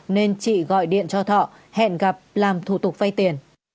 nên chị gọi điện cho thọ hẹn gặp làm thủ tục vay tiền